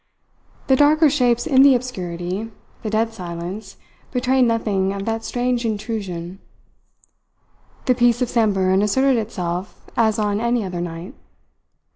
The darker shapes in the obscurity, the dead silence, betrayed nothing of that strange intrusion. The peace of Samburan asserted itself as on any other night.